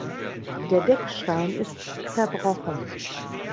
Der Deckstein ist zerbrochen.